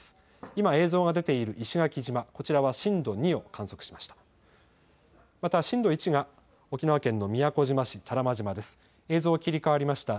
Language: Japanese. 今、映像が出ている石垣島、こちらは震度２を観測しました。